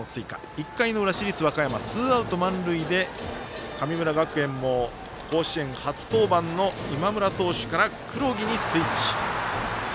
１回の裏、市立和歌山ツーアウト、満塁で神村学園も甲子園初登板の今村投手から黒木にスイッチ。